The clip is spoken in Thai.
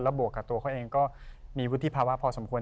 บวกกับตัวเขาเองก็มีวุฒิภาวะพอสมควร